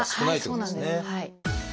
そうなんですはい。